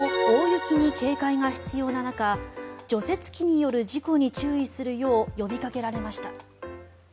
今週も大雪に警戒が必要な中除雪機による事故に注意するよう呼びかけられました。